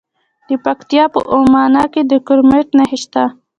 د پکتیکا په اومنه کې د کرومایټ نښې شته.